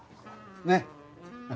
ねっ！